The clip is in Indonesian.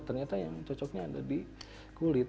ternyata yang cocoknya ada di kulit